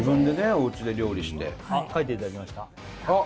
おうちで料理してはい書いていただきましたあっ